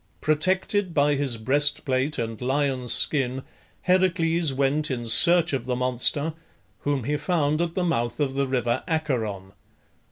Protected by his breastplate and lion's skin Heracles went in search of the monster, whom he found at the mouth of the river Acheron.